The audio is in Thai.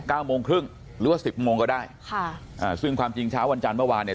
เก้าโมงครึ่งหรือว่าสิบโมงก็ได้ค่ะอ่าซึ่งความจริงเช้าวันจันทร์เมื่อวานเนี่ย